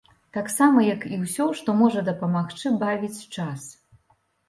Таксама як і ўсё, што можа дапамагчы бавіць час.